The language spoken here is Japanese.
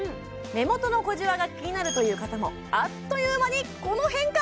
目元の小じわが気になるという方もあっという間にこの変化！